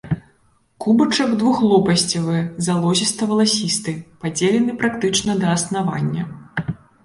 Кубачак двухлопасцевы, залозіста-валасісты, падзелены практычна да аснавання.